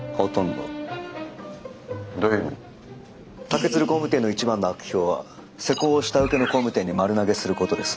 竹鶴工務店の一番の悪評は施工を下請けの工務店に丸投げすることです。